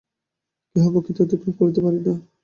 কেহ প্রকৃতিতে অতিক্রম করিতে পারে না।